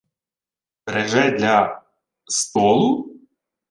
— Береже для... столу?